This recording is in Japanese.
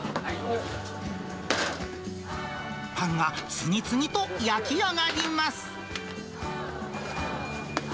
パンが次々と焼き上がります。